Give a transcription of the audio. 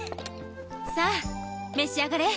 さあめしあがれ。